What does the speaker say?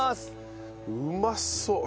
うまそう。